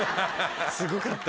すごかった。